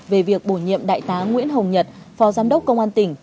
về việc bổ nhiệm đại tá nguyễn hồng nhật phó giám đốc công an tỉnh